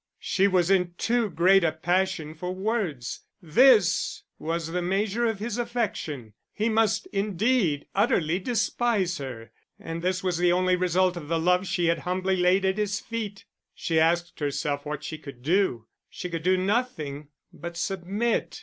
She was in too great a passion for words. This was the measure of his affection; he must, indeed, utterly despise her; and this was the only result of the love she had humbly laid at his feet. She asked herself what she could do; she could do nothing but submit.